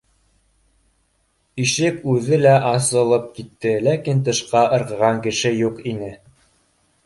И ш ек үҙе лә аслып китте, ләкин тышҡа ырғыған кеше юк ине